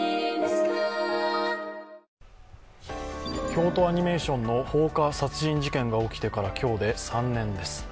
京都アニメーションの放火殺人事件が起きてから、今日で３年です。